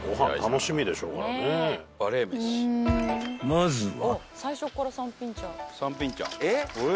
［まずは］